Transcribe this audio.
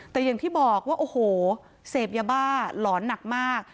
แต่อย่างที่บอกว่าโอ้โหเสพยาบ้าหลอนหนักมาก